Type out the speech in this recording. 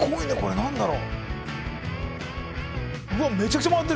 何だろう。